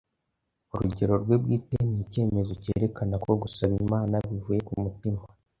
Urugero rwe bwite ni icyemezo cyerekana ko gusaba Imana bivuye ku mutima,